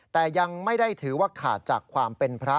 แต่ยังไม่ได้ถือว่าขาดจากความเป็นพระ